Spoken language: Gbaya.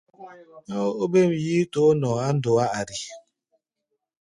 Nɛ́ ó óbêm yíítoó nɔʼɔ á ndɔá ari.